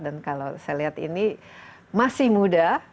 dan kalau saya lihat ini masih muda